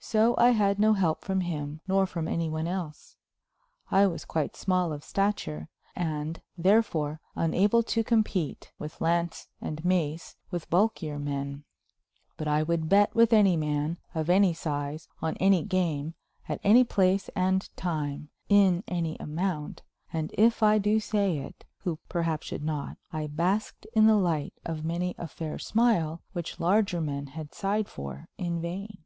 So I had no help from him nor from any one else. I was quite small of stature and, therefore, unable to compete, with lance and mace, with bulkier men; but I would bet with any man, of any size, on any game, at any place and time, in any amount; and, if I do say it, who perhaps should not, I basked in the light of many a fair smile which larger men had sighed for in vain.